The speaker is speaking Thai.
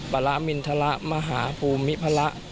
ประมินทรมหาภูมิพระ